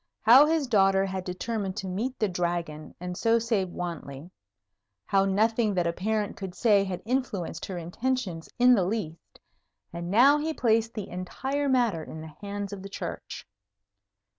How his daughter had determined to meet the Dragon, and so save Wantley; how nothing that a parent could say had influenced her intentions in the least; and now he placed the entire matter in the hands of the Church.